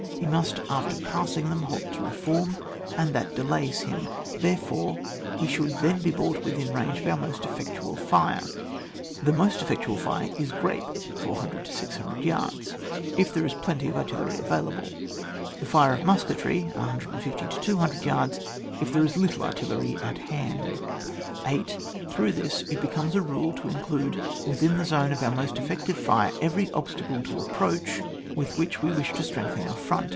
He must, after passing them, halt to reform, and that delays him; therefore he should then be brought within range of our most effectual fire. The most effectual fire is grape (400 to 600 yards), if there is plenty of artillery available ; the fire of musketzy (150 to 200 yards), if there is little artillery at hand. 8. Through this it becomes a role to include wi&in the zone of our most effective fire, eveiy obstacle to approach with which we wish to streng^en our front.